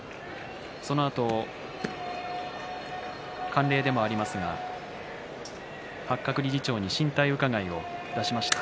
そのあと慣例でもありますが八角理事長に進退伺を出しました。